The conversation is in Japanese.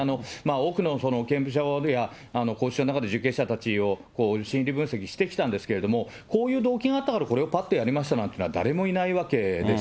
多くの刑務所、あるいは拘置所の中の受刑者たちを心理分析してきたんですけれども、こういう動機があったから、これをぱっとやりましたなんていうのは誰もいないわけです。